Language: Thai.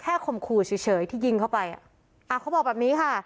ข่มขู่เฉยเฉยที่ยิงเข้าไปอ่ะอ่าเขาบอกแบบนี้ค่ะ